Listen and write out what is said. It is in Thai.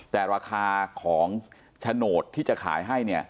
แต่ราคาของโฉนดที่จะขายให้เนี่ย